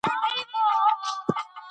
د اثر پېژندګلوي باید بشپړه او هر اړخیزه وي.